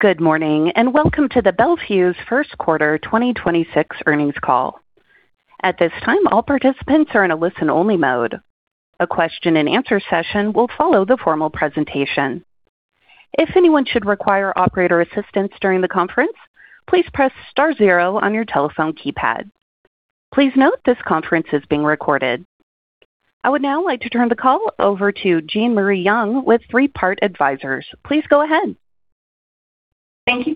Good morning, and welcome to the Bel Fuse Q1 2026 Earnings Call. I would now like to turn the call over to Jean Marie Young with Three Part Advisors. Please go ahead. Thank you.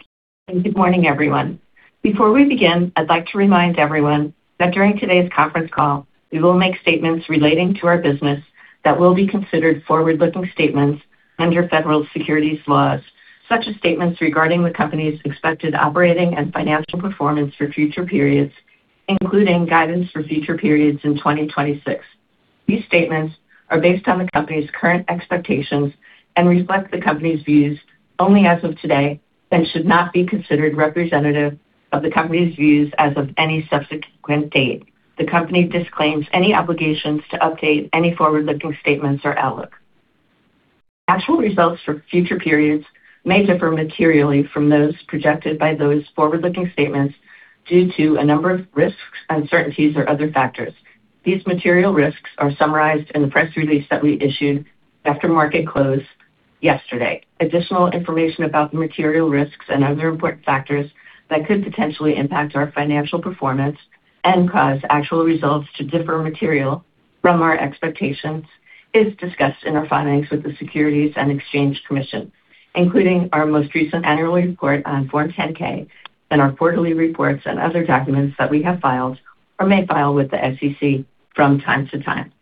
Good morning, everyone. Before we begin, I'd like to remind everyone that during today's conference call, we will make statements relating to our business that will be considered forward-looking statements under federal securities laws, such as statements regarding the company's expected operating and financial performance for future periods, including guidance for future periods in 2026. These statements are based on the company's current expectations and reflect the company's views only as of today and should not be considered representative of the company's views as of any subsequent date. The company disclaims any obligations to update any forward-looking statements or outlook. Actual results for future periods may differ materially from those projected by those forward-looking statements due to a number of risks, uncertainties, or other factors. These material risks are summarized in the press release that we issued after market close yesterday. Additional information about the material risks and other important factors that could potentially impact our financial performance and cause actual results to differ material from our expectations is discussed in our filings with the Securities and Exchange Commission, including our most recent annual report on Form 10-K and our quarterly reports and other documents that we have filed or may file with the SEC from time to time.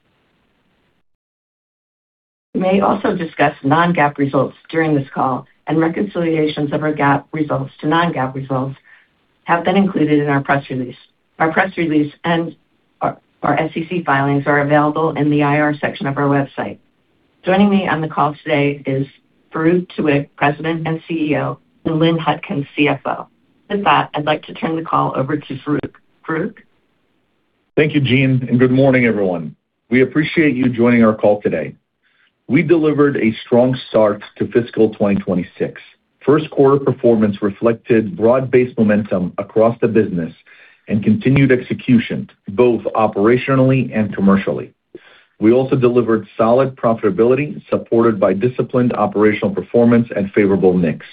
We may also discuss non-GAAP results during this call, and reconciliations of our GAAP results to non-GAAP results have been included in our press release. Our press release and our SEC filings are available in the IR section of our website. Joining me on the call today is Farouq Tuweiq, President and CEO, and Lynn Hutkin, CFO. With that, I'd like to turn the call over to Farouq. Farouq? Thank you, Jean, and good morning, everyone. We appreciate you joining our call today. We delivered a strong start to fiscal 2026. Q1 performance reflected broad-based momentum across the business and continued execution, both operationally and commercially. We also delivered solid profitability supported by disciplined operational performance and favorable mix.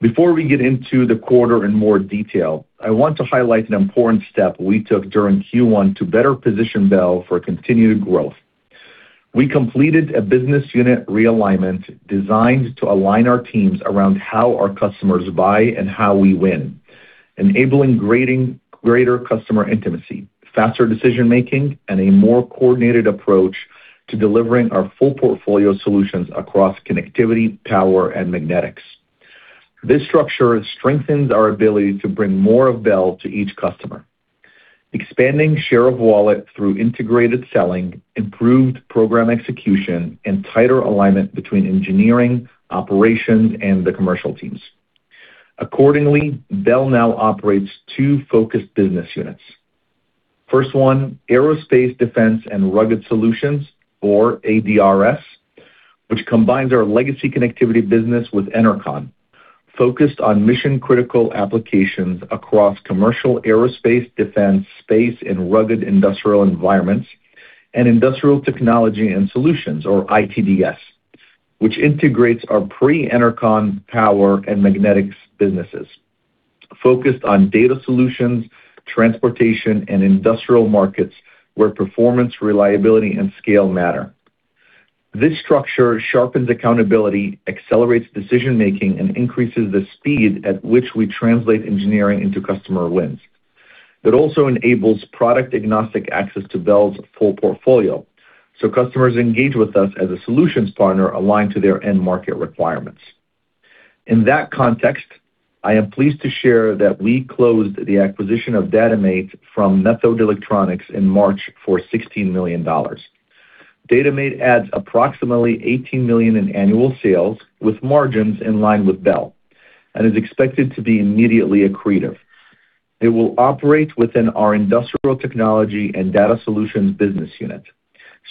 Before we get into the quarter in more detail, I want to highlight an important step we took during Q1 to better position Bel for continued growth. We completed a business unit realignment designed to align our teams around how our customers buy and how we win, enabling greater customer intimacy, faster decision-making, and a more coordinated approach to delivering our full portfolio solutions across connectivity, power, and magnetics. This structure strengthens our ability to bring more of Bel to each customer, expanding share of wallet through integrated selling, improved program execution, and tighter alignment between engineering, operations, and the commercial teams. Accordingly, Bel now operates two focused business units. First one, Aerospace, Defense and Rugged Solutions, or ADRS, which combines our legacy connectivity business with Enercon, focused on mission-critical applications across commercial aerospace, defense, space, and rugged industrial environments, and Industrial Technology and Solutions, or ITDS, which integrates our pre-Enercon power and magnetics businesses, focused on data solutions, transportation, and industrial markets where performance, reliability, and scale matter. This structure sharpens accountability, accelerates decision-making, and increases the speed at which we translate engineering into customer wins. It also enables product-agnostic access to Bel's full portfolio, so customers engage with us as a solutions partner aligned to their end market requirements. In that context, I am pleased to share that we closed the acquisition of Datamate from Methode Electronics in March for $16 million. Datamate adds approximately 18 million in annual sales with margins in line with Bel and is expected to be immediately accretive. It will operate within our Industrial Technology and Data Solutions business unit.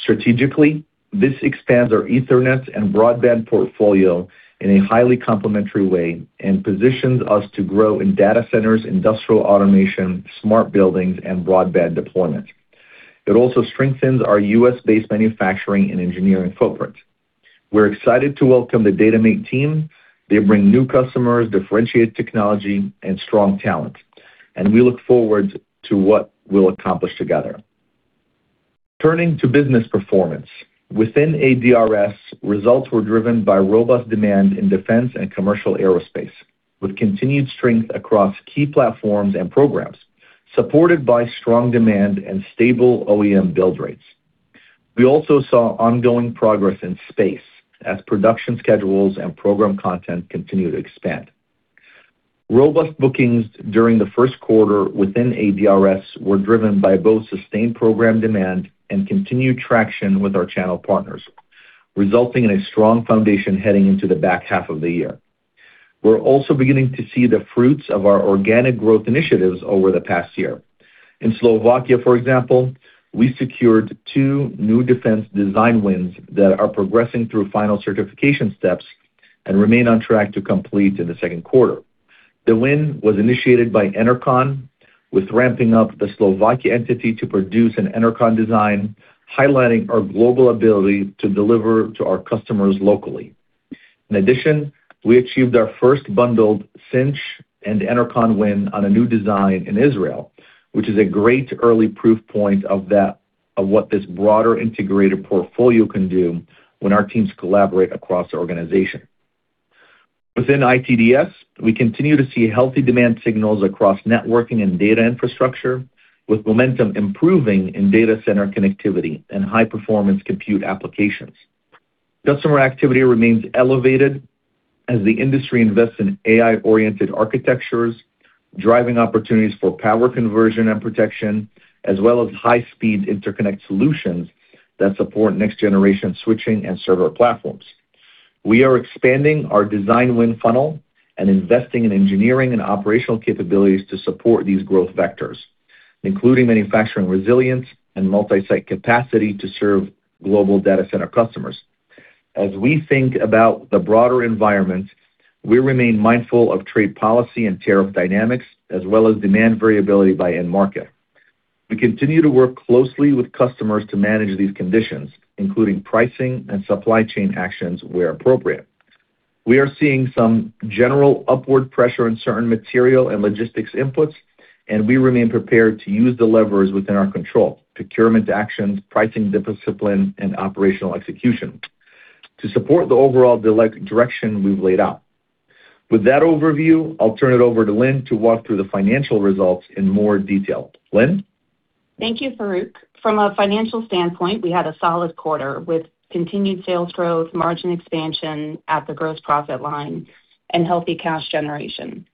Strategically, this expands our Ethernet and broadband portfolio in a highly complementary way and positions us to grow in data centers, industrial automation, smart buildings, and broadband deployment. It also strengthens our U.S.-based manufacturing and engineering footprint. We're excited to welcome the Datamate team. They bring new customers, differentiated technology, and strong talent. We look forward to what we'll accomplish together. Turning to business performance. Within ADRS, results were driven by robust demand in defense and commercial aerospace, with continued strength across key platforms and programs, supported by strong demand and stable OEM build rates. We also saw ongoing progress in space as production schedules and program content continue to expand. Robust bookings during the Q1 within ADRS were driven by both sustained program demand and continued traction with our channel partners, resulting in a strong foundation heading into the back half of the year. We're also beginning to see the fruits of our organic growth initiatives over the past year. In Slovakia, for example, we secured two new defense design wins that are progressing through final certification steps and remain on track to complete in the Q2. The win was initiated by Enercon with ramping up the Slovakia entity to produce an Enercon design, highlighting our global ability to deliver to our customers locally. In addition, we achieved our first bundled Cinch and Enercon win on a new design in Israel, which is a great early proof point of that, of what this broader integrated portfolio can do when our teams collaborate across the organization. Within ITDS, we continue to see healthy demand signals across networking and data infrastructure, with momentum improving in data center connectivity and high-performance compute applications. Customer activity remains elevated as the industry invests in AI-oriented architectures, driving opportunities for power conversion and protection, as well as high-speed interconnect solutions that support next-generation switching and server platforms. We are expanding our design win funnel and investing in engineering and operational capabilities to support these growth vectors, including manufacturing resilience and multi-site capacity to serve global data center customers. As we think about the broader environment, we remain mindful of trade policy and tariff dynamics, as well as demand variability by end market. We continue to work closely with customers to manage these conditions, including pricing and supply chain actions where appropriate. We are seeing some general upward pressure in certain material and logistics inputs, and we remain prepared to use the levers within our control, procurement actions, pricing discipline, and operational execution to support the overall direction we've laid out. With that overview, I'll turn it over to Lynn to walk through the financial results in more detail. Lynn? Thank you, Farouq. From a financial standpoint, we had a solid quarter, with continued sales growth, margin expansion at the gross profit line, and healthy cash generation.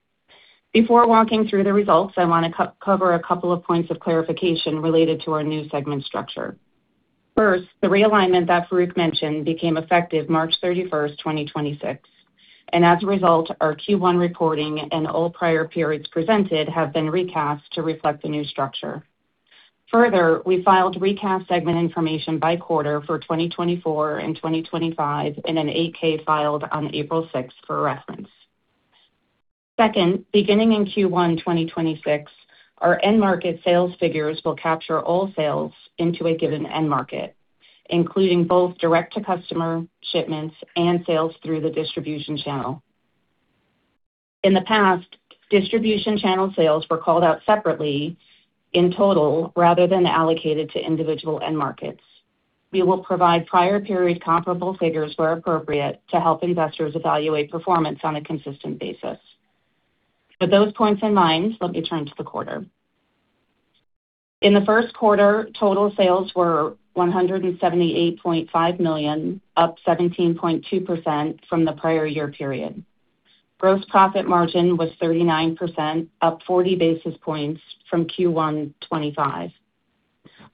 Before walking through the results, I want to cover a couple of points of clarification related to our new segment structure. First, the realignment that Farouq mentioned became effective March 31st, 2026, and as a result, our Q1 reporting and all prior periods presented have been recast to reflect the new structure. We filed recast segment information by quarter for 2024 and 2025 in a Form 8-K filed on April 6th for reference. Beginning in Q1 2026, our end market sales figures will capture all sales into a given end market, including both direct-to-customer shipments and sales through the distribution channel. In the past, distribution channel sales were called out separately in total rather than allocated to individual end markets. We will provide prior-period comparable figures where appropriate to help investors evaluate performance on a consistent basis. With those points in mind, let me turn to the quarter. In the Q1, total sales were $178.5 million, up 17.2% from the prior-year period. Gross profit margin was 39%, up 40 basis points from Q1 2025.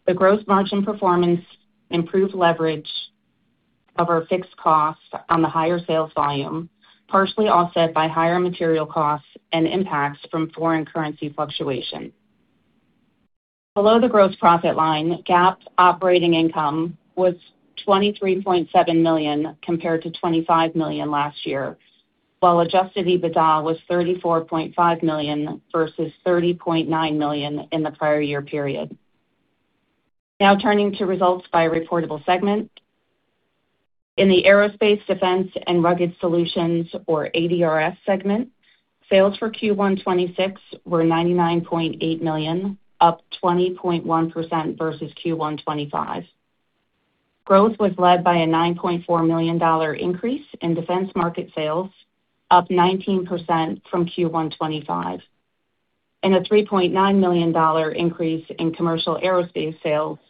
The gross margin performance improved leverage of our fixed costs on the higher sales volume, partially offset by higher material costs and impacts from foreign currency fluctuation. Below the gross profit line, GAAP operating income was $23.7 million compared to $25 million last year, while Adjusted EBITDA was $34.5 million versus $30.9 million in the prior-year period. Now turning to results by reportable segment. In the Aerospace, Defense & Rugged Solutions, or ADRS segment, sales for Q1 2026 were $99.8 million, up 20.1% versus Q1 2025. Growth was led by a $9.4 million increase in defense market sales, up 19% from Q1 2025, and a $3.9 million increase in commercial aerospace sales,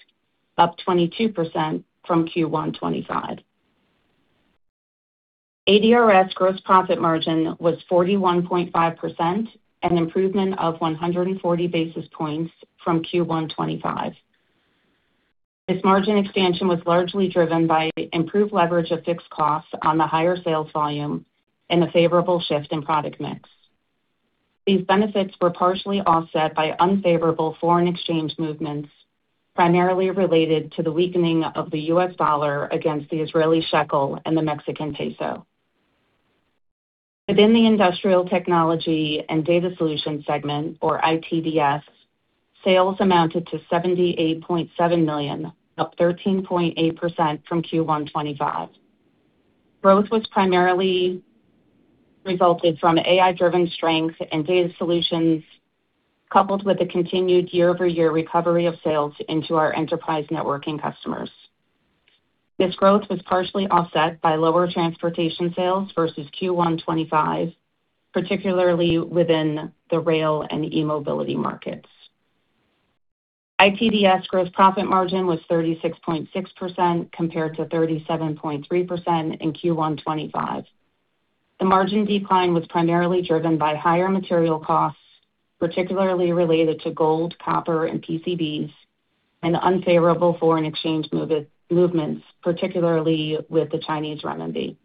up 22% from Q1 2025. ADRS gross profit margin was 41.5%, an improvement of 140 basis points from Q1 2025. This margin expansion was largely driven by improved leverage of fixed costs on the higher sales volume and a favorable shift in product mix. These benefits were partially offset by unfavorable foreign exchange movements, primarily related to the weakening of the U.S. dollar against the Israeli shekel and the Mexican peso. Within the Industrial Technology and Data Solutions segment, or ITDS, sales amounted to $78.7 million, up 13.8% from Q1 2025. Growth was primarily resulted from AI-driven strength in Data Solutions, coupled with the continued year-over-year recovery of sales into our enterprise networking customers. This growth was partially offset by lower transportation sales versus Q1 2025, particularly within the rail and e-mobility markets. ITDS gross profit margin was 36.6% compared to 37.3% in Q1 2025. The margin decline was primarily driven by higher material costs, particularly related to gold, copper, and PCBs, and unfavorable foreign exchange movements, particularly with the Chinese renminbi.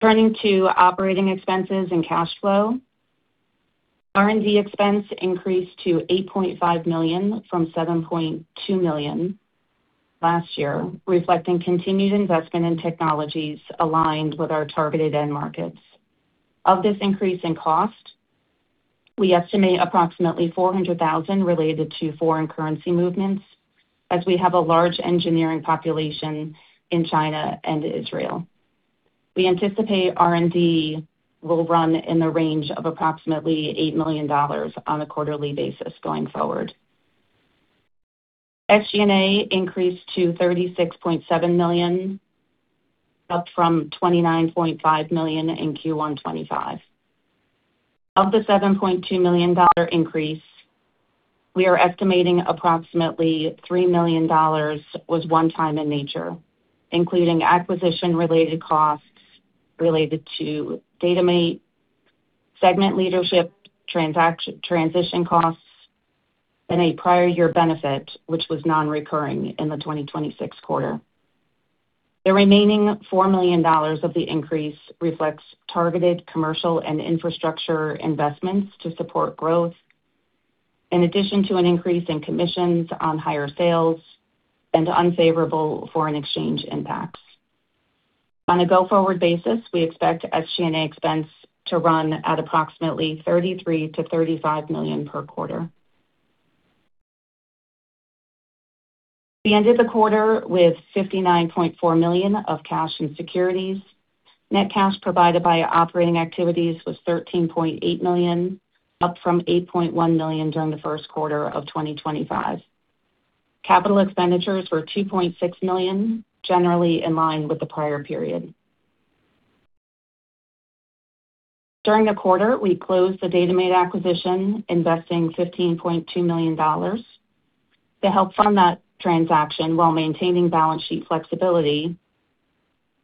Turning to operating expenses and cash flow. R&D expense increased to $8.5 million from $7.2 million last year, reflecting continued investment in technologies aligned with our targeted end markets. Of this increase in cost, we estimate approximately $400,000 related to foreign currency movements as we have a large engineering population in China and Israel. We anticipate R&D will run in the range of approximately $8 million on a quarterly basis going forward. SG&A increased to $36.7 million, up from $29.5 million in Q1 2025. Of the $7.2 million increase, we are estimating approximately $3 million was one time in nature, including acquisition-related costs related to Datamate segment leadership transaction, transition costs, and a prior year benefit, which was non-recurring in the 2026 quarter. The remaining $4 million of the increase reflects targeted commercial and infrastructure investments to support growth, in addition to an increase in commissions on higher sales and unfavorable foreign exchange impacts. On a go-forward basis, we expect SG&A expense to run at approximately $33 million-$35 million per quarter. We ended the quarter with $59.4 million of cash and securities. Net cash provided by operating activities was $13.8 million, up from $8.1 million during the Q1 of 2025. Capital expenditures were $2.6 million, generally in line with the prior period. During the quarter, we closed the Datamate acquisition, investing $15.2 million. To help fund that transaction while maintaining balance sheet flexibility,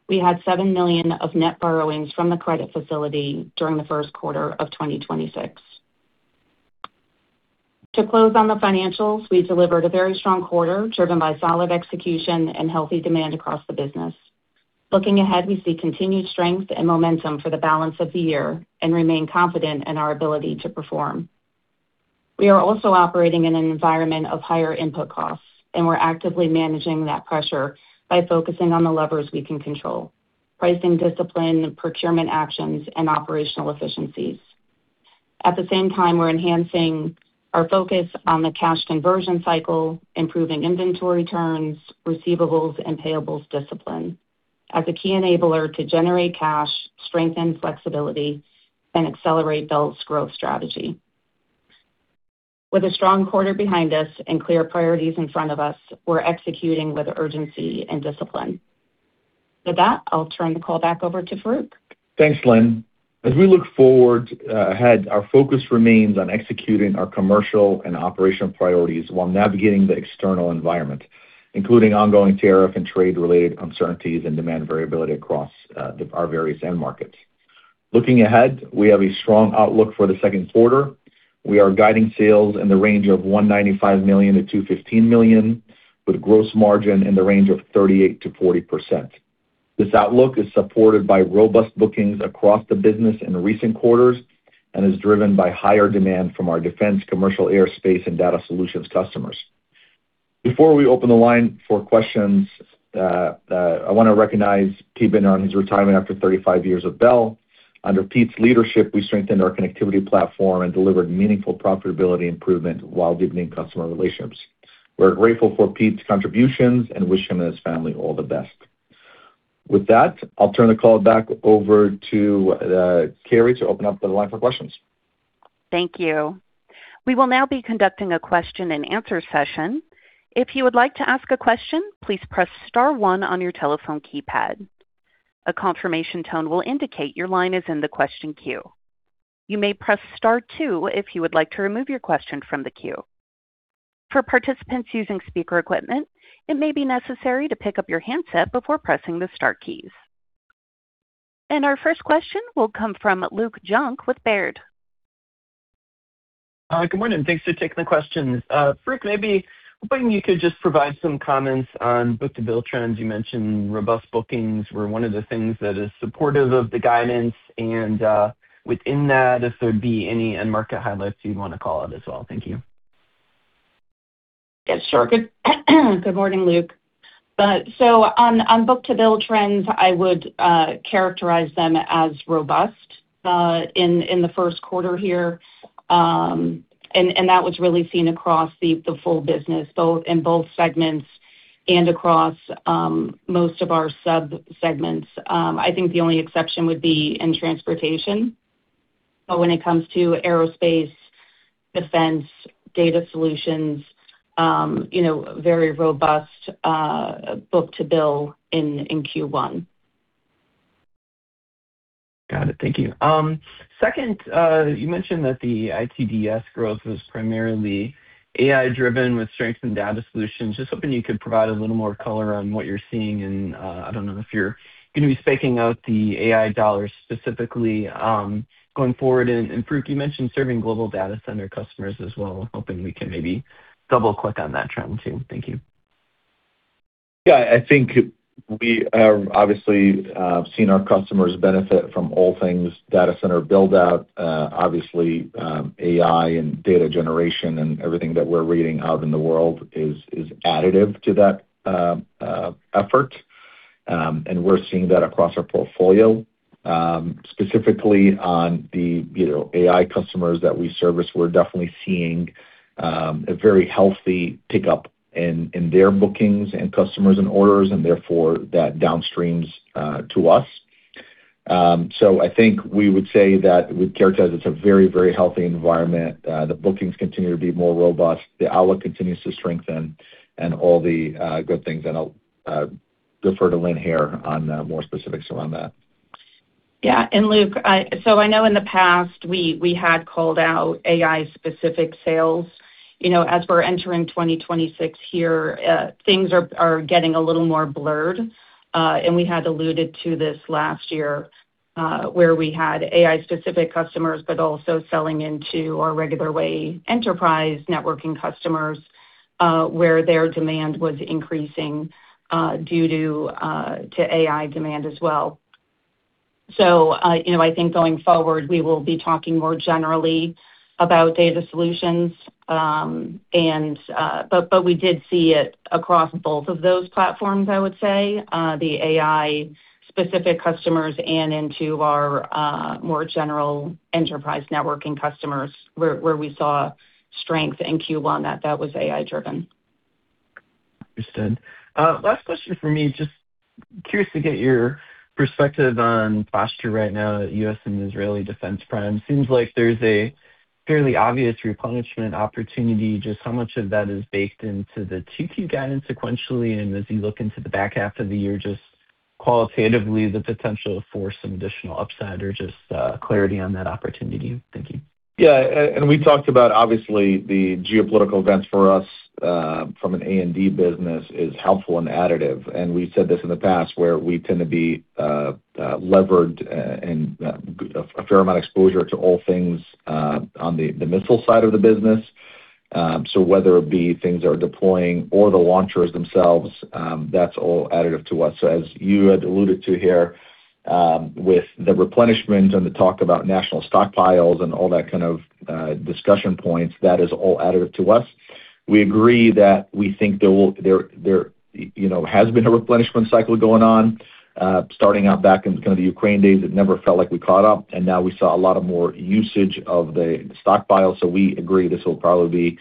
we had $7 million of net borrowings from the credit facility during the Q1 of 2026. To close on the financials, we delivered a very strong quarter, driven by solid execution and healthy demand across the business. Looking ahead, we see continued strength and momentum for the balance of the year and remain confident in our ability to perform. We are also operating in an environment of higher input costs, and we're actively managing that pressure by focusing on the levers we can control: pricing discipline, procurement actions, and operational efficiencies. At the same time, we're enhancing our focus on the cash conversion cycle, improving inventory turns, receivables and payables discipline as a key enabler to generate cash, strengthen flexibility, and accelerate Bel's growth strategy. With a strong quarter behind us and clear priorities in front of us, we're executing with urgency and discipline. With that, I'll turn the call back over to Farouq. Thanks, Lynn. As we look forward ahead, our focus remains on executing our commercial and operational priorities while navigating the external environment, including ongoing tariff and trade-related uncertainties and demand variability across our various end markets. Looking ahead, we have a strong outlook for the Q2. We are guiding sales in the range of $195 million-$215 million, with gross margin in the range of 38%-40%. This outlook is supported by robust bookings across the business in recent quarters and is driven by higher demand from our defense, commercial aerospace, and data solutions customers. Before we open the line for questions, I want to recognize Pete Bittner on his retirement after 35 years of Bel. Under Pete's leadership, we strengthened our connectivity platform and delivered meaningful profitability improvement while deepening customer relationships. We're grateful for Pete's contributions and wish him and his family all the best. With that, I'll turn the call back over to Carrie to open up the line for questions. Thank you. We will now be conducting a question and answer session. If you would like to ask a question, please press star one on your telephone keypad. A confirmation tone will indicate your line is in the question queue. You may press star two if you would like to remove your question from the queue. For participants using speaker equipment, it may be necessary to pick up your handset before pressing the star keys. Our first question will come from Luke Junk with Baird. Good morning. Thanks for taking the questions. Farouq, maybe hoping you could just provide some comments on book-to-bill trends. You mentioned robust bookings were one of the things that is supportive of the guidance, and, within that, if there'd be any end market highlights you'd want to call out as well. Thank you. Sure. Good morning, Luke. On book-to-bill trends, I would characterize them as robust in the Q1 here. And that was really seen across the full business, in both segments and across most of our sub-segments. I think the only exception would be in transportation. When it comes to Aerospace, Defense, Data Solutions, you know, very robust book-to-bill in Q1. Got it. Thank you. Second, you mentioned that the ITDS growth was primarily AI-driven with strength in data solutions. Just hoping you could provide a little more color on what you're seeing in, I don't know if you're gonna be speaking out the AI dollars specifically, going forward. Farouq, you mentioned serving global data center customers as well. Hoping we can maybe double-click on that trend too. Thank you. Yeah, I think we are obviously seen our customers benefit from all things data center build out. Obviously, AI and data generation and everything that we're reading out in the world is additive to that effort. We're seeing that across our portfolio, specifically on the, you know, AI customers that we service. We're definitely seeing a very healthy pickup in their bookings and customers and orders, and therefore that downstreams to us. I think we would say that would characterize it's a very healthy environment. The bookings continue to be more robust, the outlook continues to strengthen and all the good things, and I'll defer to Lynn here on more specifics around that. Yeah. Luke, I know in the past we had called out AI specific sales. You know, as we're entering 2026 here, things are getting a little more blurred. We had alluded to this last year, where we had AI specific customers, but also selling into our regular way enterprise networking customers, where their demand was increasing due to AI demand as well. You know, I think going forward, we will be talking more generally about data solutions. We did see it across both of those platforms, I would say. The AI specific customers and into our more general enterprise networking customers where we saw strength in Q1 that was AI driven. Understood. Last question for me. Just curious to get your perspective on posture right now at U.S. and Israeli defense prime. Seems like there's a fairly obvious replenishment opportunity. Just how much of that is baked into the 2Q guidance sequentially, and as you look into the back half of the year, just qualitatively the potential for some additional upside or just clarity on that opportunity? Thank you. Yeah. We talked about obviously the geopolitical events for us, from an A&D business is helpful and additive. We said this in the past where we tend to be levered, and a fair amount of exposure to all things on the missile side of the business. Whether it be things that are deploying or the launchers themselves, that's all additive to us. As you had alluded to here, with the replenishment and the talk about national stockpiles and all that kind of discussion points, that is all additive to us. We agree that we think there, you know, has been a replenishment cycle going on, starting out back in kind of the Ukraine days. It never felt like we caught up. Now we saw a lot of more usage of the stockpile. We agree this will probably be,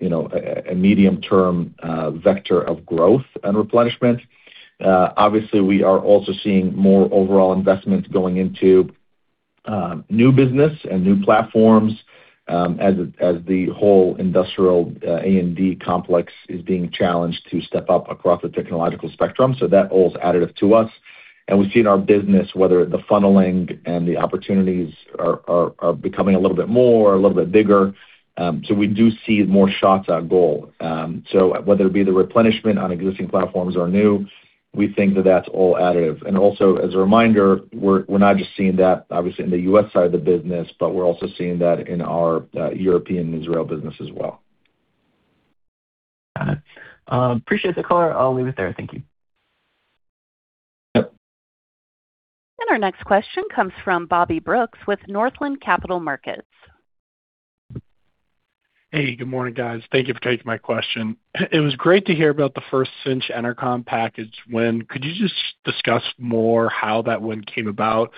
you know, a medium term vector of growth and replenishment. Obviously we are also seeing more overall investment going into new business and new platforms, as the whole industrial A&D complex is being challenged to step up across the technological spectrum. That all is additive to us. We see in our business whether the funneling and the opportunities are becoming a little bit more or a little bit bigger. We do see more shots on goal. Whether it be the replenishment on existing platforms or new, we think that that's all additive. Also as a reminder, we're not just seeing that obviously in the U.S. side of the business, but we're also seeing that in our European Israel business as well. Got it. Appreciate the color. I'll leave it there. Thank you. Yep. Our next question comes from Bobby Brooks with Northland Capital Markets. Hey, good morning, guys. Thank you for taking my question. It was great to hear about the first Cinch Enercon package win. Could you just discuss more how that win came about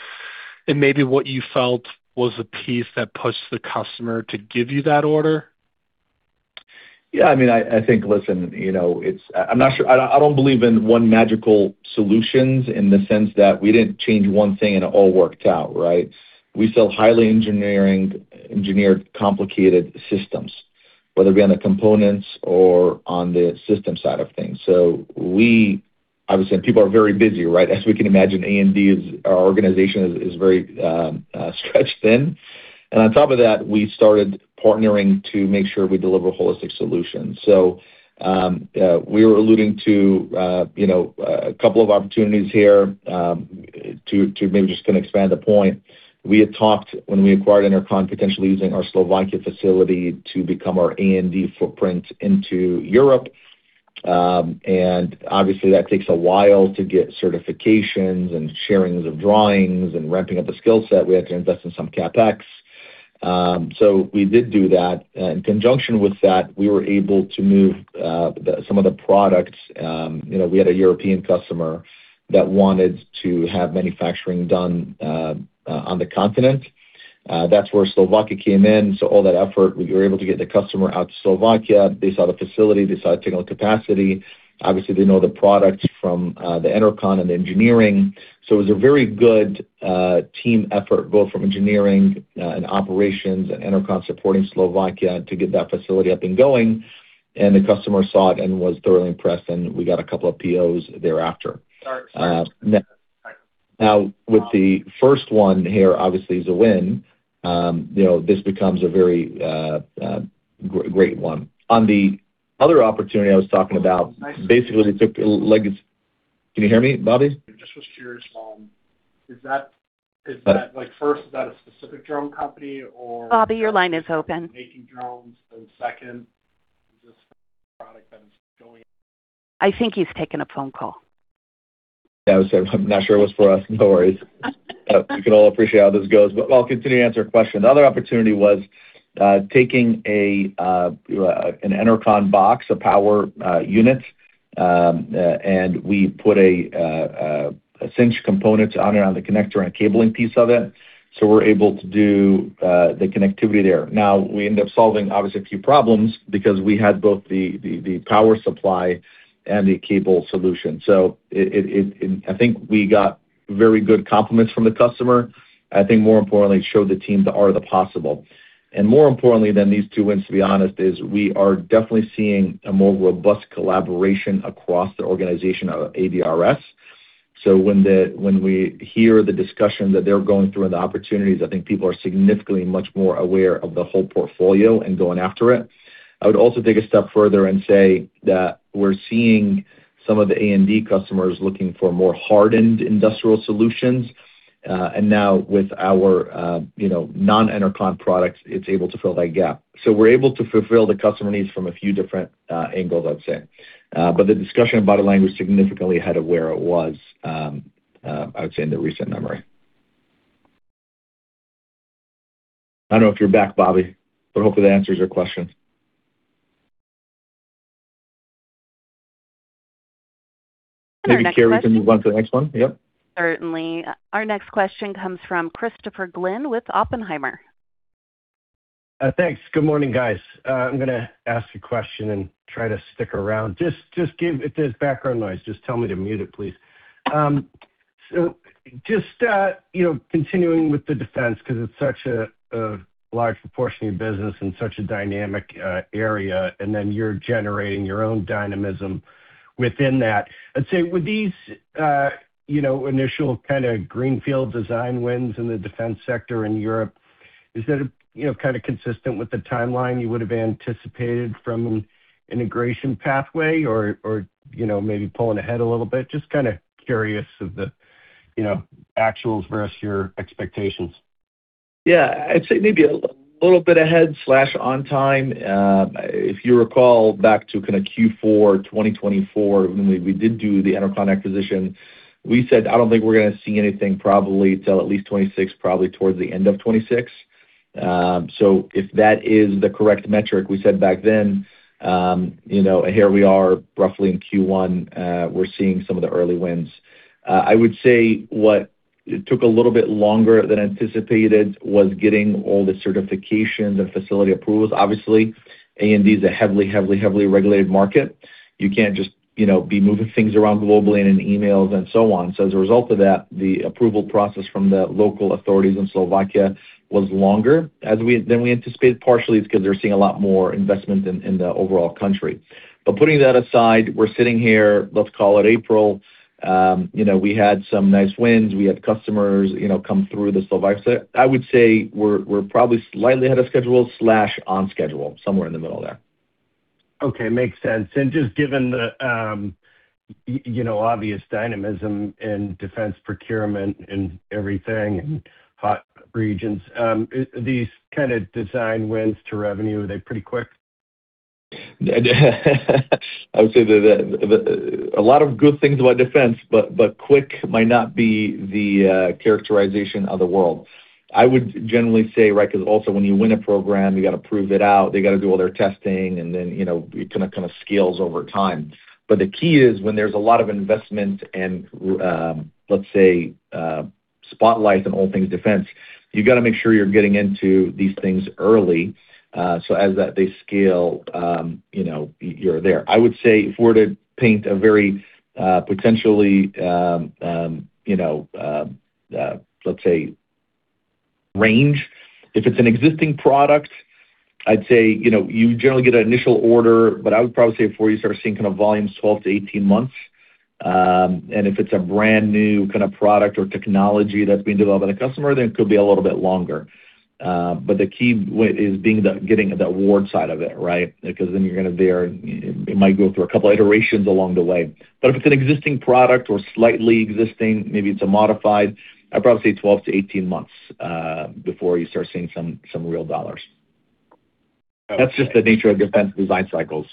and maybe what you felt was the piece that pushed the customer to give you that order? I mean, I think, listen, you know, I'm not sure. I don't, I don't believe in one magical solutions in the sense that we didn't change one thing and it all worked out, right? We sell highly engineered, complicated systems, whether it be on the components or on the system side of things. Obviously, people are very busy, right? As we can imagine, A&D is our organization is very stretched thin. On top of that, we started partnering to make sure we deliver holistic solutions. We were alluding to, you know, a couple of opportunities here to maybe just kinda expand the point. We had talked when we acquired Enercon, potentially using our Slovakia facility to become our A&D footprint into Europe. Obviously that takes a while to get certifications and sharings of drawings and ramping up the skill set. We had to invest in some CapEx. We did do that. In conjunction with that, we were able to move some of the products. You know, we had a European customer that wanted to have manufacturing done on the continent. That's where Slovakia came in. All that effort, we were able to get the customer out to Slovakia. They saw the facility, they saw technical capacity. Obviously, they know the product from the Enercon and the engineering. It was a very good team effort, both from engineering and operations and Enercon supporting Slovakia to get that facility up and going. The customer saw it and was thoroughly impressed, and we got a couple of POs thereafter. Now with the first one here, obviously is a win. You know, this becomes a very great one. On the other opportunity I was talking about. Can you hear me, Bobby? I just was curious, is that like first, is that a specific drone company or? Bobby, your line is open... making drones? Second, is this a product that is I think he's taken a phone call. Yeah. I was like, I'm not sure it was for us. No worries. We can all appreciate how this goes. I'll continue to answer your question. The other opportunity was taking an Enercon box, a power unit, and we put Cinch components on it on the connector and cabling piece of it. We're able to do the connectivity there. Now, we end up solving obviously a few problems because we had both the power supply and the cable solution. I think we got very good compliments from the customer. I think more importantly, it showed the team the art of the possible. More importantly than these two wins, to be honest, is we are definitely seeing a more robust collaboration across the organization of ADRS. When we hear the discussion that they're going through and the opportunities, I think people are significantly much more aware of the whole portfolio and going after it. I would also take a step further and say that we're seeing some of the A&D customers looking for more hardened industrial solutions. Now with our, you know, non-Enercon products, it's able to fill that gap. We're able to fulfill the customer needs from a few different angles, I'd say. The discussion about it line was significantly ahead of where it was, I would say in the recent memory. I don't know if you're back, Bobby, but hopefully that answers your question. Maybe, Carrie, we can move on to the next one. Yep. Certainly. Our next question comes from Christopher Glynn with Oppenheimer. Thanks. Good morning, guys. I'm gonna ask a question and try to stick around. If there's background noise, just tell me to mute it, please. Just, you know, continuing with the defense 'cause it's such a large proportion of your business and such a dynamic area, and then you're generating your own dynamism within that. I'd say with these, you know, initial kinda greenfield design wins in the defense sector in Europe, is that, you know, kinda consistent with the timeline you would have anticipated from an integration pathway or, you know, maybe pulling ahead a little bit? Just kinda curious of the, you know, actuals versus your expectations. I'd say maybe a little bit ahead/on time. If you recall back to kind of Q4 2024, when we did do the Enercon acquisition, we said, "I don't think we're gonna see anything probably till at least 2026, probably towards the end of 2026." If that is the correct metric we said back then, you know, here we are roughly in Q1, we're seeing some of the early wins. I would say what took a little bit longer than anticipated was getting all the certifications and facility approvals. Obviously, A&D is a heavily regulated market. You can't just, you know, be moving things around globally and in emails and so on. As a result of that, the approval process from the local authorities in Slovakia was longer than we anticipated. Partially, it's because they're seeing a lot more investment in the overall country. We're sitting here, let's call it April, you know, we had some nice wins. We had customers, you know, come through the Slovakia. I would say we're probably slightly ahead of schedule/on schedule, somewhere in the middle there. Okay. Makes sense. Just given the, you know, obvious dynamism in defense procurement and everything and hot regions, these kinda design wins to revenue, are they pretty quick? I would say that a lot of good things about defense, but quick might not be the characterization of the world. I would generally say, right, 'cause also when you win a program, you gotta prove it out. They gotta do all their testing, and then, you know, it kinda scales over time. The key is when there's a lot of investment and, let's say, spotlight on all things defense, you gotta make sure you're getting into these things early, so as that they scale, you know, you're there. I would say if we're to paint a very, potentially, you know, let's say range, if it's an existing product, I'd say, you know, you generally get an initial order, but I would probably say before you start seeing kinda volumes 12-18 months. If it's a brand-new kind of product or technology that's being developed by the customer, then it could be a little bit longer. The key is getting the award side of it, right? Then you're going to be there, and it might go through a couple iterations along the way. If it's an existing product or slightly existing, maybe it's a modified, I'd probably say 12-18 months before you start seeing some real dollars. That's just the nature of defense design cycles.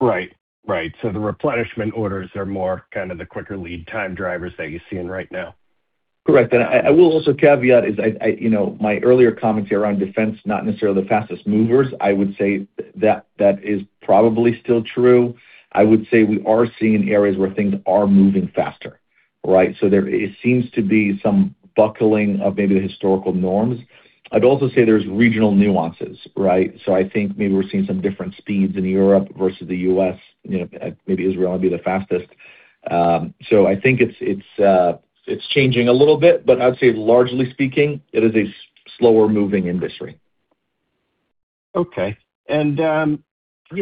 Right. Right. The replenishment orders are more kind of the quicker lead time drivers that you're seeing right now. Correct. I will also caveat is, you know, my earlier comments here on Defense, not necessarily the fastest movers. I would say that is probably still true. I would say we are seeing areas where things are moving faster, right? It seems to be some buckling of maybe the historical norms. I'd also say there's regional nuances, right? I think maybe we're seeing some different speeds in Europe versus the U.S. You know, maybe Israel might be the fastest. I think it's changing a little bit, but I would say largely speaking, it is a slower-moving industry. Okay. You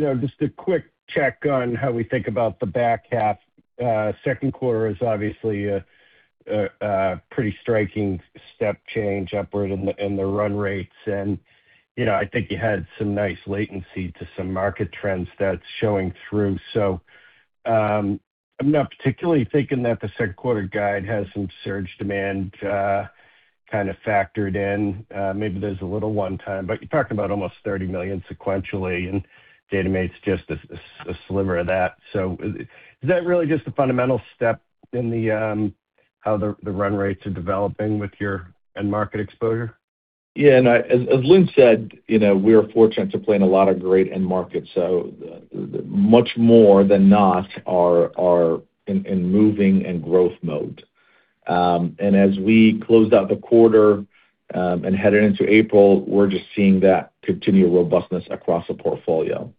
know, just a quick check on how we think about the back half. Q2 is obviously a pretty striking step change upward in the run rates. You know, I think you had some nice latency to some market trends that's showing through. I'm not particularly thinking that the Q2 guide has some surge demand kinda factored in. Maybe there's a little one time, but you're talking about almost $30 million sequentially, and Datamate's just a sliver of that. Is that really just a fundamental step in how the run rates are developing with your end market exposure? As Lynn said, you know, we are fortunate to play in a lot of great end markets. The much more than not are in moving and growth mode. As we closed out the quarter and headed into April, we're just seeing that continued robustness across the portfolio.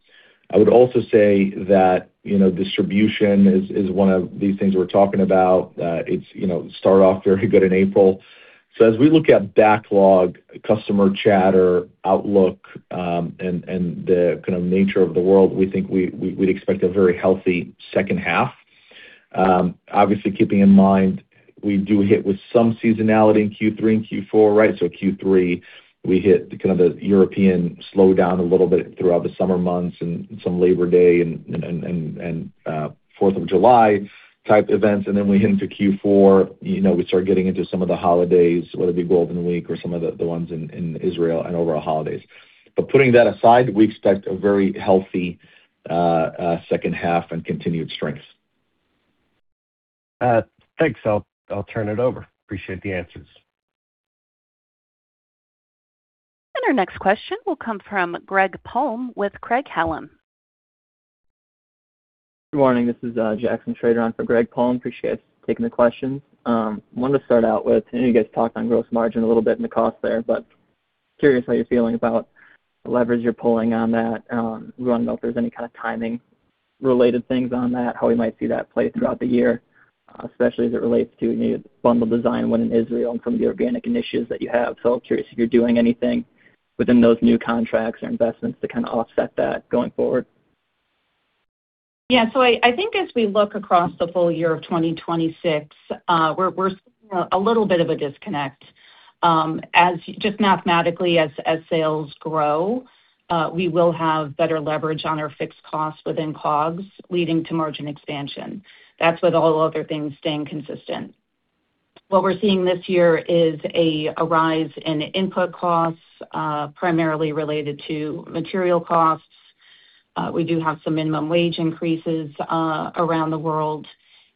I would also say that, you know, distribution is one of these things we're talking about. It's, you know, started off very good in April. As we look at backlog, customer chatter, outlook, and the kind of nature of the world, we think we'd expect a very healthy H2. Obviously, keeping in mind we do hit with some seasonality in Q3 and Q4, right? Q3, we hit kind of the European slowdown a little bit throughout the summer months and some Labor Day and Fourth of July type events. We head into Q4, you know, we start getting into some of the holidays, whether it be Golden Week or some of the ones in Israel and overall holidays. Putting that aside, we expect a very healthy H2 and continued strength. Thanks. I'll turn it over. Appreciate the answers. Our next question will come from Greg Palm with Craig-Hallum. Good morning. This is Jackson Schroeder on for Greg Palm. Appreciate you guys taking the questions. Wanted to start out with, I know you guys talked on gross margin a little bit and the cost there, curious how you're feeling about the leverage you're pulling on that. Wanted to know if there's any kind of timing-related things on that, how we might see that play throughout the year, especially as it relates to a new bundle design one in Israel and some of the organic initiatives that you have. I was curious if you're doing anything within those new contracts or investments to kinda offset that going forward. I think as we look across the full year of 2026, we're seeing a little bit of a disconnect. As just mathematically as sales grow, we will have better leverage on our fixed costs within COGS, leading to margin expansion. That's with all other things staying consistent. What we're seeing this year is a rise in input costs, primarily related to material costs. We do have some minimum wage increases around the world,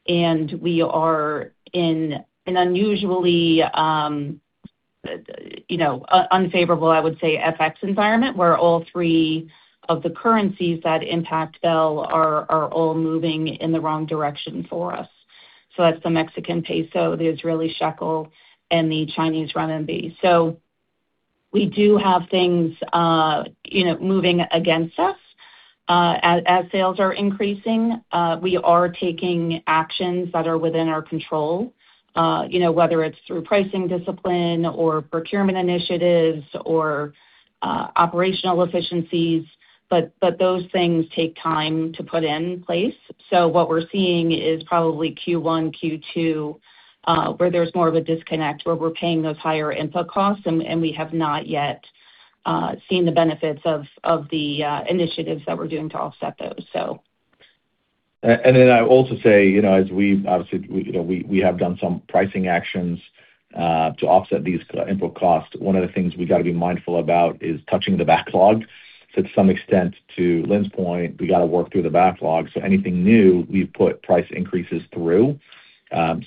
and we are in an unusually, you know, unfavorable, I would say, FX environment, where all three of the currencies that impact Bel are all moving in the wrong direction for us. That's the Mexican peso, the Israeli shekel, and the Chinese renminbi. We do have things, you know, moving against us as sales are increasing. We are taking actions that are within our control, you know, whether it's through pricing discipline or procurement initiatives or operational efficiencies. Those things take time to put in place. What we're seeing is probably Q1, Q2, where there's more of a disconnect, where we're paying those higher input costs and we have not yet seen the benefits of the initiatives that we're doing to offset those, so. I would also say, you know, as we obviously, you know, we have done some pricing actions to offset these input costs. One of the things we gotta be mindful about is touching the backlog to some extent. To Lynn's point, we gotta work through the backlog, anything new, we've put price increases through.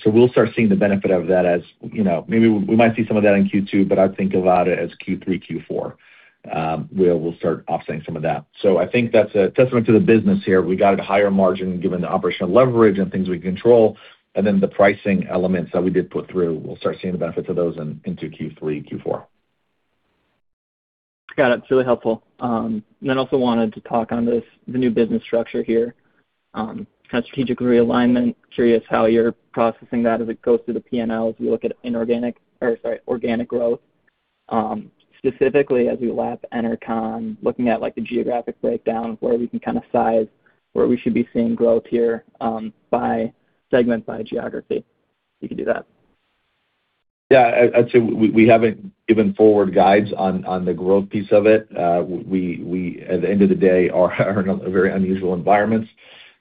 We'll start seeing the benefit of that as, you know, maybe we might see some of that in Q2, but I'd think about it as Q3, Q4, where we'll start offsetting some of that. I think that's a testament to the business here. We got a higher margin given the operational leverage and things we control, the pricing elements that we did put through, we'll start seeing the benefits of those in, into Q3, Q4. Got it. It's really helpful. Also wanted to talk on this, the new business structure here. Kind of strategic realignment. Curious how you're processing that as it goes through the P&L, as we look at organic growth, specifically as we lap Enercon, looking at, like, the geographic breakdown of where we can kinda size where we should be seeing growth here, by segment, by geography, if you could do that. Yeah. I'd say we haven't given forward guides on the growth piece of it. We, at the end of the day, are in very unusual environments,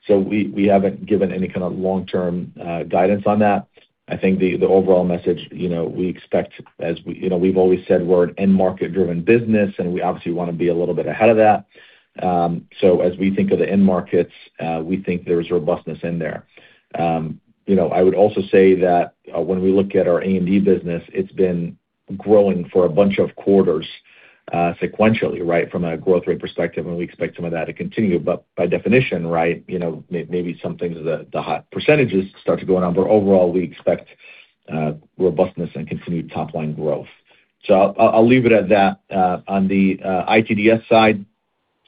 so we haven't given any kind of long-term guidance on that. I think the overall message, you know, we expect, you know, we've always said we're an end market-driven business, and we obviously wanna be a little bit ahead of that. As we think of the end markets, we think there's robustness in there. You know, I would also say that when we look at our A&D business, it's been growing for a bunch of quarters, sequentially, right, from a growth rate perspective, and we expect some of that to continue. By definition, right, you know, maybe some things, the hot percentages start to go down, but overall, we expect robustness and continued top-line growth. I'll leave it at that. On the ITDS side,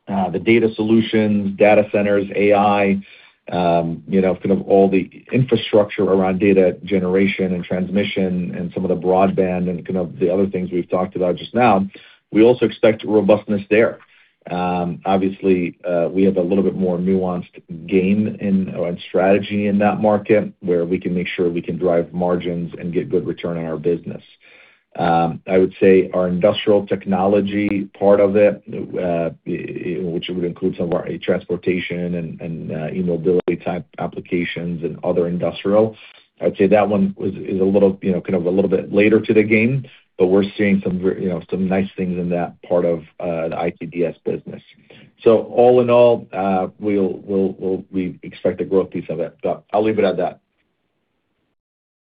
the data solutions, data centers, AI, you know, kind of all the infrastructure around data generation and transmission and some of the broadband and kind of the other things we've talked about just now, we also expect robustness there. Obviously, we have a little bit more nuanced gain on strategy in that market, where we can make sure we can drive margins and get good return on our business. I would say our Industrial Technology part of it, which would include some of our transportation and, you know, mobility type applications and other industrial, I'd say that one is a little, you know, kind of a little bit later to the game, but we're seeing you know, some nice things in that part of the ITDS business. All in all, we expect a growth piece of it. I'll leave it at that.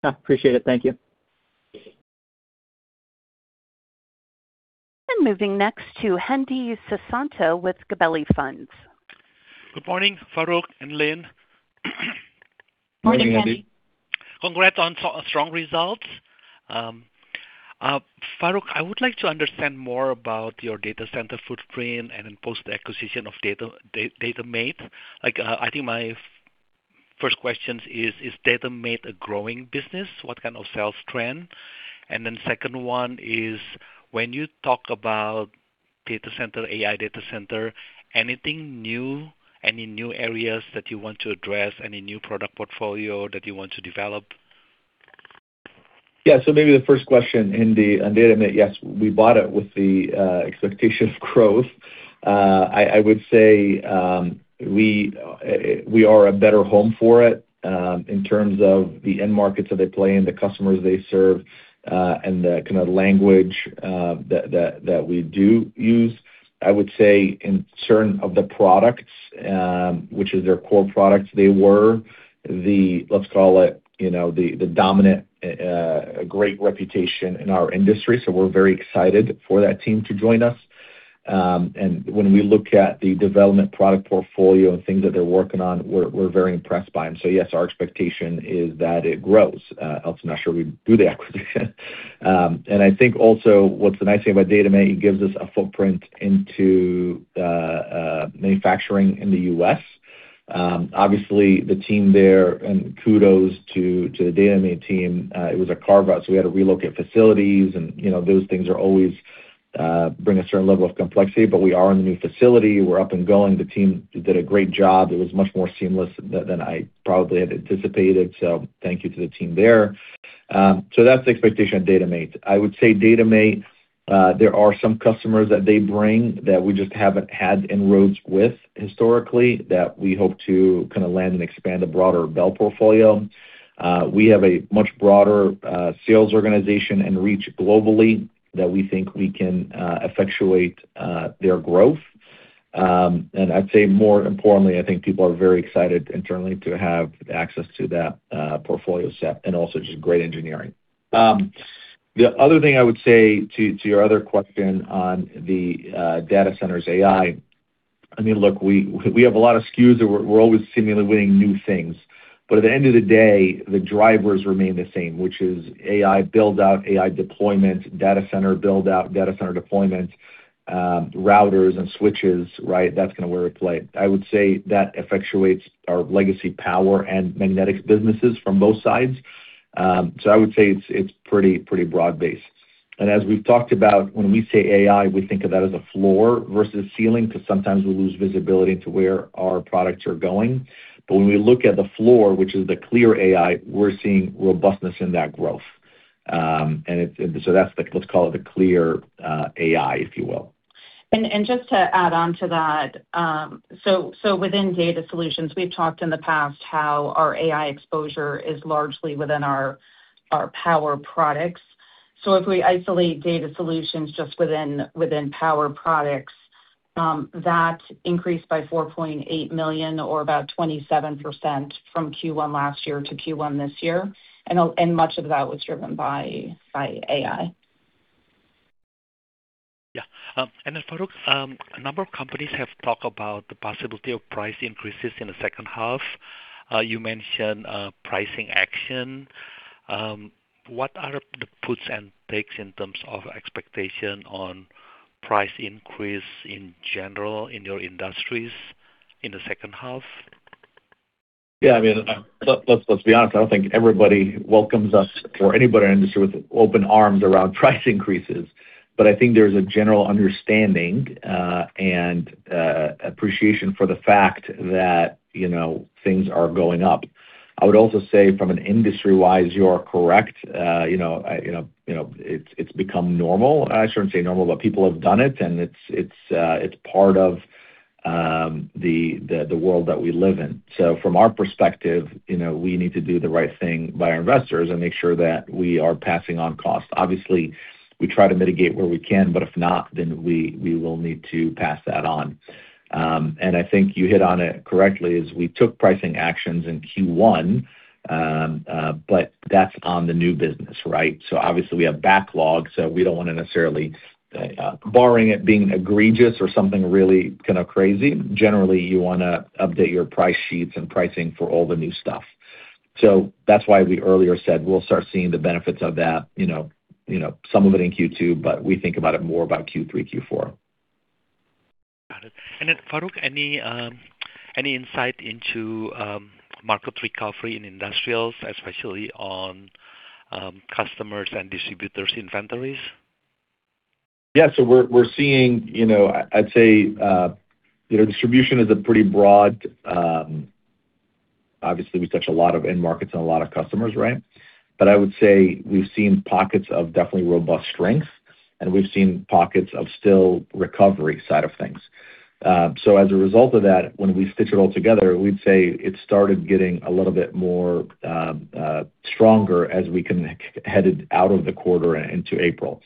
Yeah. Appreciate it. Thank you. Moving next to Hendi Susanto with Gabelli Funds. Good morning, Farouq and Lynn. Good morning, Hendi. Morning, Hendi. Congrats on so-strong results. Farouq, I would like to understand more about your data center footprint and then post the acquisition of Datamate. Like, I think my first question is Datamate a growing business? What kind of sales trend? Second one is, when you talk about data center, AI data center, anything new, any new areas that you want to address? Any new product portfolio that you want to develop? Maybe the first question, Hendi, on Datamate, yes, we bought it with the expectation of growth. I would say, we are a better home for it in terms of the end markets that they play in, the customers they serve, and the kind of language that we do use. I would say in certain of the products, which is their core products, they were the, let's call it, you know, the dominant, great reputation in our industry, so we're very excited for that team to join us. When we look at the development product portfolio and things that they're working on, we're very impressed by them. Yes, our expectation is that it grows. Else I'm not sure we'd do the acquisition. I think also what's the nice thing about Datamate, it gives us a footprint into manufacturing in the U.S. Obviously the team there, and kudos to the Datamate team, it was a carve-out, so we had to relocate facilities and, you know, those things are always bring a certain level of complexity. We are in the new facility, we're up and going. The team did a great job. It was much more seamless than I probably had anticipated, so thank you to the team there. That's the expectation of Datamate. I would say Datamate, there are some customers that they bring that we just haven't had inroads with historically that we hope to kinda land and expand a broader Bel portfolio. We have a much broader sales organization and reach globally that we think we can effectuate their growth. I'd say more importantly, I think people are very excited internally to have access to that portfolio set and also just great engineering. The other thing I would say to your other question on the data centers AI, I mean, look, we have a lot of SKUs that we're always seemingly winning new things. At the end of the day, the drivers remain the same, which is AI build-out, AI deployment, data center build-out, data center deployment, routers and switches, right? That's kind of where we play. I would say that effectuates our legacy power and magnetics businesses from both sides. I would say it's pretty broad-based. As we've talked about, when we say AI, we think of that as a floor versus ceiling, 'cause sometimes we lose visibility to where our products are going. When we look at the floor, which is the clear AI, we're seeing robustness in that growth. That's the, let's call it the clear AI, if you will. Just to add on to that, so within Data Solutions, we've talked in the past how our AI exposure is largely within our power products. If we isolate Data Solutions just within power products, that increased by $4.8 million or about 27% from Q1 last year to Q1 this year. Much of that was driven by AI. Yeah. Farouq, a number of companies have talked about the possibility of price increases in the H2. You mentioned pricing action. What are the puts and takes in terms of expectation on price increase in general in your industries in the H2? Yeah, I mean, let's be honest, I don't think everybody welcomes us or anybody in our industry with open arms around price increases. I think there's a general understanding and appreciation for the fact that, you know, things are going up. I would also say from an industry-wise, you are correct. You know, it's become normal. I shouldn't say normal, but people have done it and it's part of the world that we live in. From our perspective, you know, we need to do the right thing by our investors and make sure that we are passing on costs. Obviously, we try to mitigate where we can, but if not, then we will need to pass that on. I think you hit on it correctly is we took pricing actions in Q1, but that's on the new business, right? Obviously we have backlog, so we don't wanna necessarily, barring it being egregious or something really kinda crazy. Generally, you wanna update your price sheets and pricing for all the new stuff. That's why we earlier said we'll start seeing the benefits of that, you know, some of it in Q2, but we think about it more about Q3, Q4. Got it. Farouq, any insight into market recovery in industrials, especially on customers and distributors' inventories? Yeah. We're seeing, you know, I'd say, you know, distribution is a pretty broad, obviously we touch a lot of end markets and a lot of customers, right? I would say we've seen pockets of definitely robust strength, and we've seen pockets of still recovery side of things. As a result of that, when we stitch it all together, we'd say it started getting a little bit more stronger as we headed out of the quarter and into April.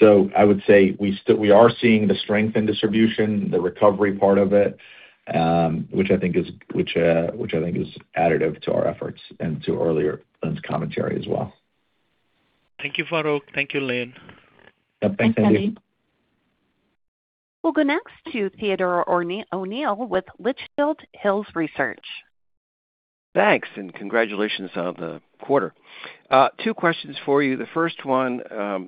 I would say we still we are seeing the strength in distribution, the recovery part of it, which I think is additive to our efforts and to earlier Lynn's commentary as well. Thank you, Farouq. Thank you, Lynn. Yeah. Thanks, Andy. Thanks, Andy. We'll go next to Theodore Rudd O'Neill with Litchfield Hills Research LLC. Thanks, and congratulations on the quarter. Two questions for you. The first one,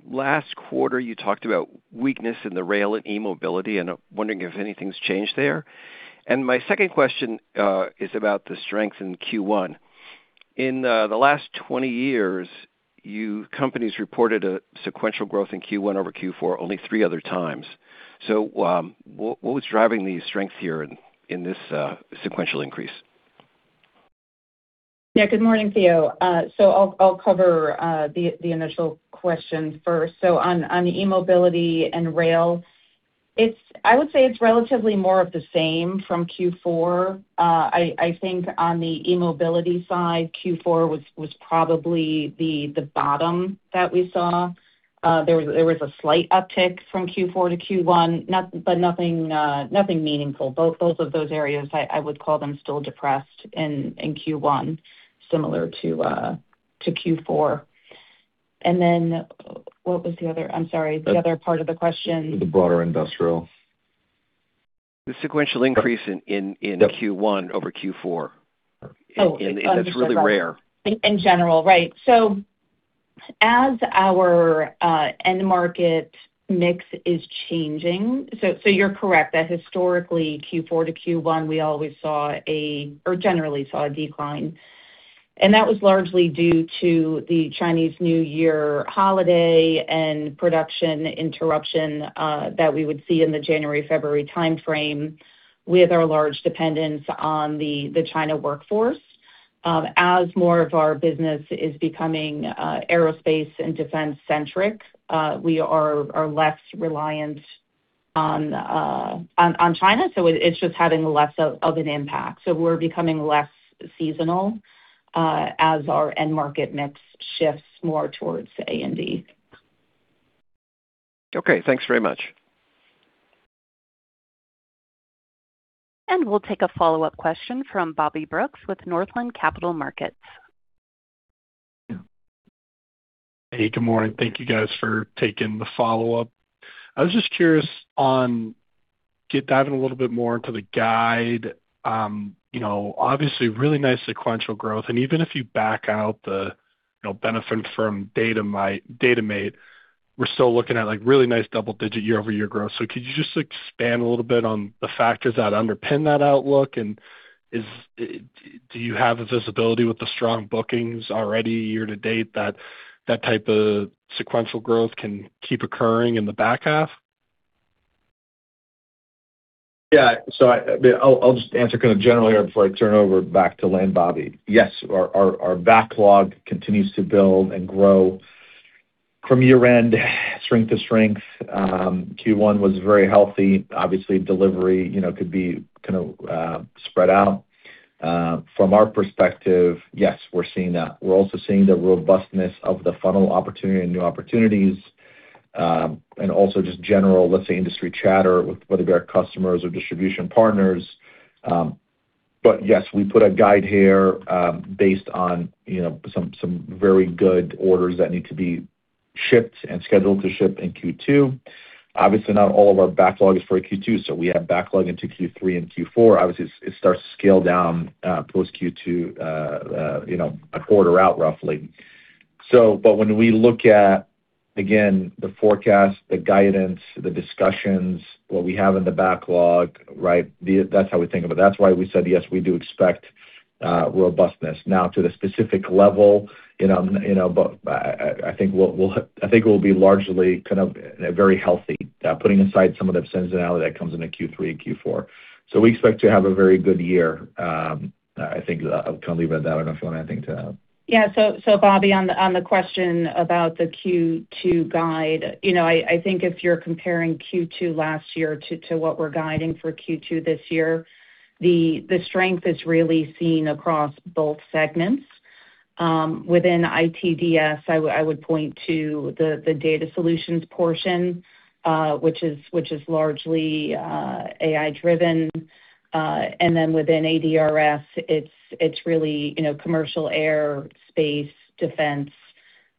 last quarter, you talked about weakness in the rail and e-mobility, and I'm wondering if anything's changed there. My second question is about the strength in Q1. In the last 20 years, companies reported a sequential growth in Q1 over Q4 only three other times. What was driving the strength here in this sequential increase? Yeah. Good morning, Theo. I'll cover the initial question first. On the e-mobility and rail, I would say it's relatively more of the same from Q4. I think on the e-mobility side, Q4 was probably the bottom that we saw. There was a slight uptick from Q4 to Q1, but nothing meaningful. Both of those areas I would call them still depressed in Q1, similar to Q4. What was the other? I'm sorry, the other part of the question. The broader industrial. The sequential increase in Q1 over Q4. Oh. It's really rare. In general, right. As our end market mix is changing. You're correct that historically Q4 to Q1, we always saw or generally saw a decline. That was largely due to the Chinese New Year holiday and production interruption that we would see in the January, February timeframe with our large dependence on the China workforce. As more of our business is becoming aerospace and defense-centric, we are less reliant on China, so it's just having less of an impact. We're becoming less seasonal as our end market mix shifts more towards A&D. Okay. Thanks very much. We'll take a follow-up question from Bobby Brooks with Northland Capital Markets. Hey, good morning. Thank you guys for taking the follow-up. I was just curious on diving a little bit more into the guide. You know, obviously really nice sequential growth, and even if you back out the, you know, benefit from Datamate, we're still looking at, like, really nice double-digit year-over-year growth. Could you just expand a little bit on the factors that underpin that outlook? Do you have the visibility with the strong bookings already year-to-date that that type of sequential growth can keep occurring in the back half? Yeah. I'll just answer kind of generally here before I turn it over back to Lynn, Bobby. Yes, our backlog continues to build and grow from year-end strength to strength. Q1 was very healthy. Obviously, delivery, you know, could be kind of spread out. From our perspective, yes, we're seeing that. We're also seeing the robustness of the funnel opportunity and new opportunities, and also just general, let's say, industry chatter with whether they're customers or distribution partners. Yes, we put a guide here, based on, you know, some very good orders that need to be shipped and scheduled to ship in Q2. Obviously, not all of our backlog is for Q2, so we have backlog into Q3 and Q4. Obviously, it starts to scale down post Q2, you know, a quarter out, roughly. When we look at, again, the forecast, the guidance, the discussions, what we have in the backlog, right? That's how we think of it. That's why we said, yes, we do expect robustness. Now, to the specific level, you know, you know, I think it will be largely kind of very healthy, putting aside some of the seasonality that comes into Q3 and Q4. We expect to have a very good year. I think I'll kind of leave it at that. I don't know if you want anything to add. Bobby, on the question about the Q2 guide, you know, I think if you're comparing Q2 last year to what we're guiding for Q2 this year, the strength is really seen across both segments. Within ITDS, I would point to the data solutions portion, which is largely AI-driven. Within ADRS, it's really, you know, commercial air, space, defense.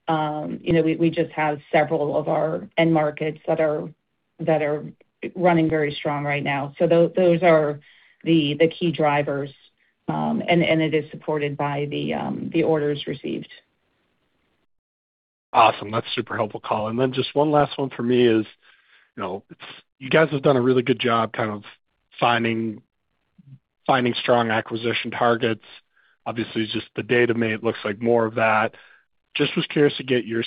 You know, we just have several of our end markets that are running very strong right now. Those are the key drivers. It is supported by the orders received. Awesome. That's super helpful, Colin. Just one last one for me is, you know, it's, you guys have done a really good job kind of finding strong acquisition targets. Obviously, just the Datamate looks like more of that. Just was curious to get your,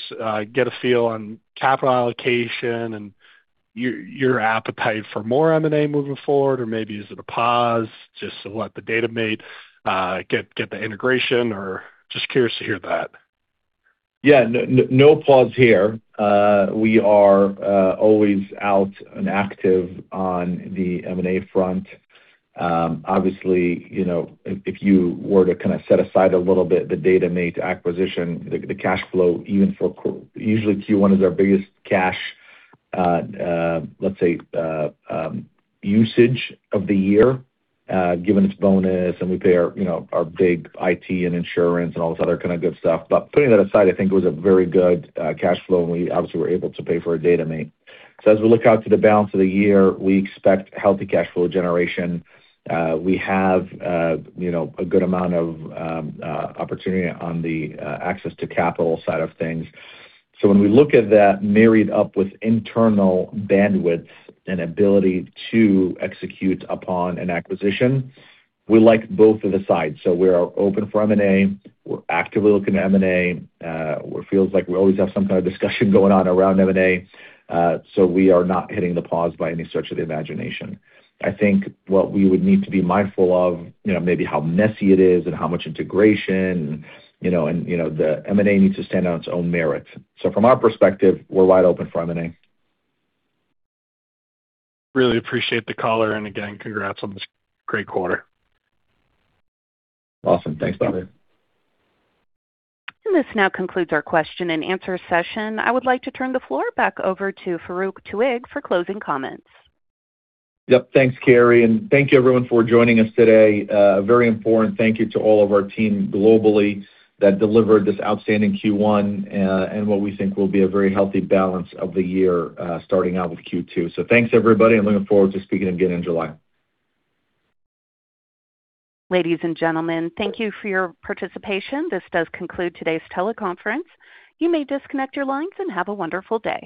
get a feel on capital allocation and your appetite for more M&A moving forward or maybe is it a pause just to let the Datamate, get the integration or just curious to hear that. Yeah. No pause here. We are always out and active on the M&A front. Obviously, you know, if you were to kind of set aside a little bit the Datamate acquisition, the cash flow even for usually Q1 is our biggest cash, let's say, usage of the year, given its bonus and we pay our, you know, our big IT and insurance and all this other kind of good stuff. Putting that aside, I think it was a very good cash flow, and we obviously were able to pay for a Datamate. As we look out to the balance of the year, we expect healthy cash flow generation. We have, you know, a good amount of opportunity on the access to capital side of things. When we look at that married up with internal bandwidth and ability to execute upon an acquisition, we like both of the sides. We are open for M&A. We're actively looking at M&A. It feels like we always have some kind of discussion going on around M&A. We are not hitting the pause by any stretch of the imagination. I think what we would need to be mindful of, you know, maybe how messy it is and how much integration, you know, and, you know, the M&A needs to stand on its own merit. From our perspective, we're wide open for M&A. Really appreciate the color, and again, congrats on this great quarter. Awesome. Thanks, Bobby. This now concludes our question and answer session. I would like to turn the floor back over to Farouq Tuweiq for closing comments. Yep. Thanks, Carrie, and thank you everyone for joining us today. Very important thank you to all of our team globally that delivered this outstanding Q1, and what we think will be a very healthy balance of the year, starting out with Q2. Thanks, everybody. I'm looking forward to speaking again in July. Ladies and gentlemen, thank you for your participation. This does conclude today's teleconference. You may disconnect your lines and have a wonderful day.